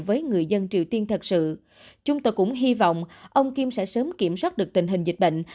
với người dân triều tiên thật sự chúng tôi cũng hy vọng ông kim sẽ sớm kiểm soát được tình hình dịch bệnh